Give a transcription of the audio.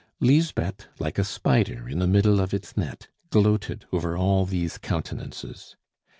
Lisbeth, like a spider in the middle of its net, gloated over all these countenances.